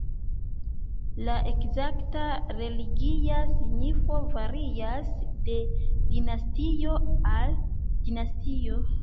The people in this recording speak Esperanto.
La ekzakta religia signifo varias de dinastio al dinastio.